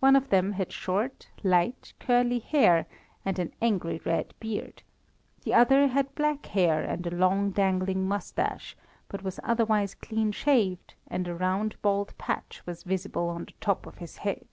One of them had short, light, curly hair, and an angry red beard; the other had black hair and a long dangling moustache, but was otherwise clean shaved, and a round bald patch was visible on the top of his head.